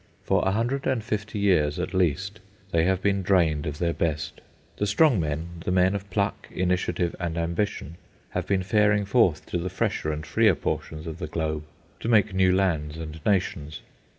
For a hundred and fifty years, at least, they have been drained of their best. The strong men, the men of pluck, initiative, and ambition, have been faring forth to the fresher and freer portions of the globe, to make new lands and nations.